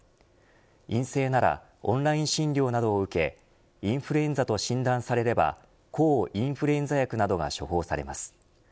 陰性ならオンライン診療などを受けインフルエンザと診断されれば抗インフルエンザ薬などが処方されます。